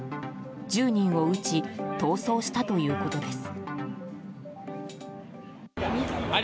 １０人を撃ち逃走したということです。